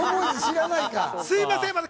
すみません。